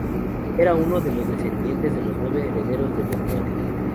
Era uno de los descendientes de los nueve herederos de Borneo.